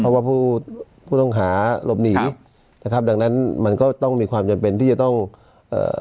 เพราะว่าผู้ผู้ต้องหาหลบหนีนะครับดังนั้นมันก็ต้องมีความจำเป็นที่จะต้องเอ่อ